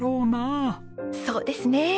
そうですね！